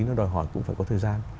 nó đòi hỏi cũng phải có thời gian